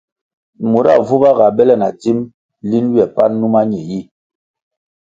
Mura vuba ga bele na dzim lin ywe pan numa ñe yi.